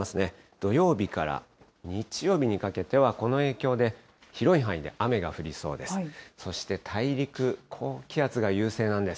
土曜日から日曜日にかけては、この影響で、広い範囲で雨が降りそうです。